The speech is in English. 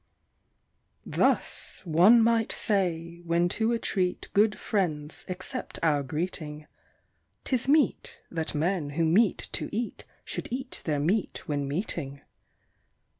Thus, one might say, when to a treat good friends accept our greeting, 'Tis meet that men who meet to eat should eat their meat when meeting.